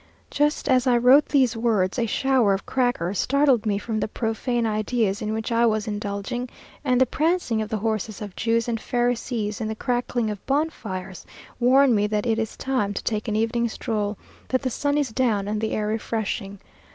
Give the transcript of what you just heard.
Just as I wrote these words, a shower of crackers startled me from the profane ideas in which I was indulging, and the prancing of the horses of Jews and Pharisees, and the crackling of bonfires, warn me that it is time to take an evening stroll, that the sun is down, and the air refreshing.